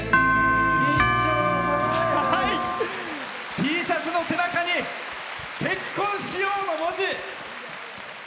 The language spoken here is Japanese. Ｔシャツの背中に「結婚しよう」の文字。